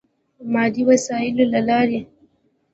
مادي وسایلو له لارې.